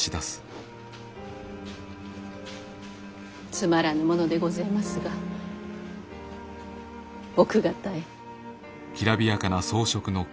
つまらぬものでごぜえますが奥方へ。